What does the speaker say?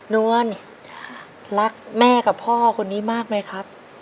นวลรักแม่กับพ่อคนนี้มากไหมครับ